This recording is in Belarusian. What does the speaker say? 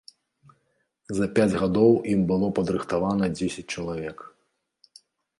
За пяць гадоў ім было падрыхтавана дзесяць чалавек.